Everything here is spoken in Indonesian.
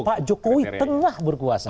pak jokowi tengah berkuasa